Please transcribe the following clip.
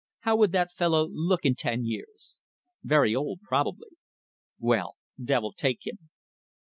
How would that fellow look in ten years? Very old probably. Well, devil take him.